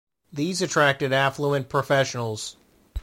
These attracted affluent professionals.